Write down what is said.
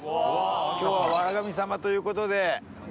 今日は『笑神様』ということで。